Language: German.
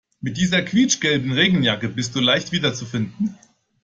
Mit dieser quietschgelben Regenjacke bist du leicht wiederzufinden.